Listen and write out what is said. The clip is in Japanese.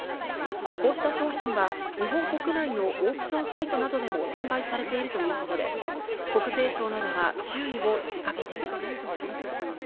こうした商品は日本国内のオークションサイトなどでも転売されているということで、国税庁などが注意を呼びかけています。